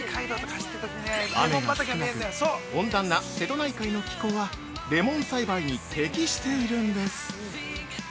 雨が少なく、温暖な瀬戸内海の気候はレモン栽培に適しているんです。